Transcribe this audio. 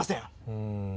うん。